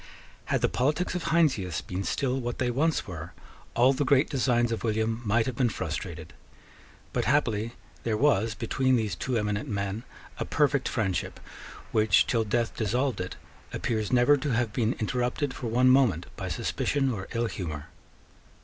Had the politics of Heinsius been still what they once were, all the great designs of William might have been frustrated. But happily there was between these two eminent men a perfect friendship which, till death dissolved it, appears never to have been interrupted for one moment by suspicion or ill humour.